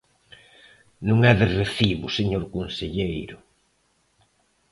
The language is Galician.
¡Non é de recibo, señor conselleiro!